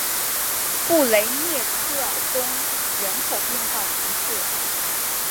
布雷涅科尔东人口变化图示